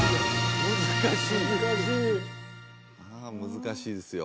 難しいですよ